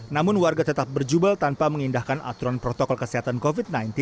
namun warga tetap berjubel tanpa mengindahkan aturan protokol kesehatan covid sembilan belas